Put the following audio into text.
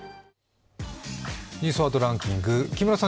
「ニュースワードランキング」、木村さん